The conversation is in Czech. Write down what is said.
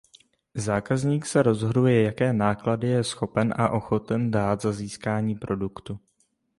Zákazník se rozhoduje jaké náklady je schopen a ochoten dát za získání produktu.